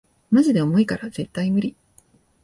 マジで重いから絶対ムリ